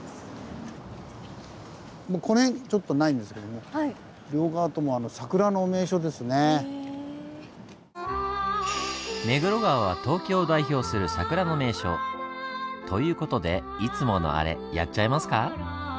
もうこの辺ちょっとないんですけども目黒川は東京を代表する桜の名所。という事でいつものアレやっちゃいますか。